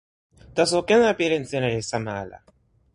taso, ken la pilin sina li sama ala.